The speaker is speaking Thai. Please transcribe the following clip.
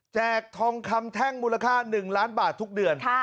ทองคำแท่งมูลค่า๑ล้านบาททุกเดือน